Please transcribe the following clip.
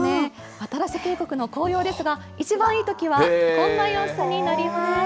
渡良瀬渓谷の紅葉ですが、いちばんいいときは、こんな様子になります。